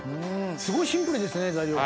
すごいシンプルですね材料が。